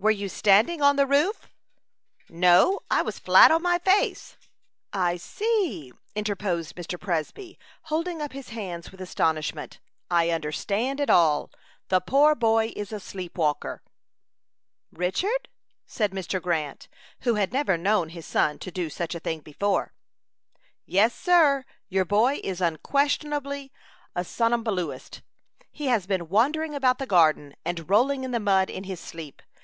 "Were you standing on the roof?" "No, I was flat on my face." "I see," interposed Mr. Presby, holding up his hands with astonishment, "I understand it all. The poor boy is a sleep walker." "Richard?" said Mr. Grant, who had never known his son to do such a thing before. "Yes, sir; your boy is unquestionably a somnambulist. He has been wandering about the garden, and rolling in the mud, in his sleep.